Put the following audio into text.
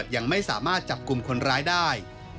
ยังไม่สามารถจับกลุ่มคนร้ายได้